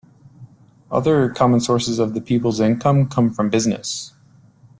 Other common sources of the people's income come from business.